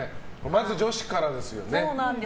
まず女子からですよね。